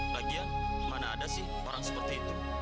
bagian mana ada sih orang seperti itu